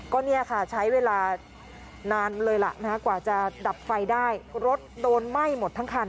ก็ใช้เวลานานเลยกว่าจะดับไฟได้รถโดนไหม้หมดทั้งคัน